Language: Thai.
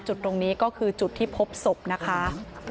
จุดตรงนี้ก็คือจุดที่พบศพนะคะ